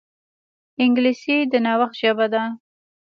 انګلیسي د نوښت ژبه ده